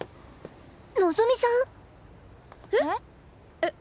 えっ？